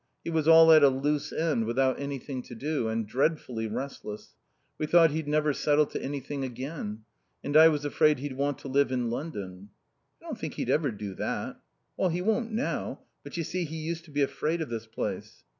He was all at a loose end without anything to do. And dreadfully restless. We thought he'd never settle to anything again. And I was afraid he'd want to live in London." "I don't think he'd ever do that." "He won't now. But, you see, he used to be afraid of this place."